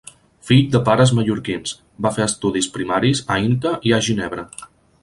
Fill de pares mallorquins, va fer estudis primaris a Inca i a Ginebra.